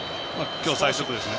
今日、最速ですね。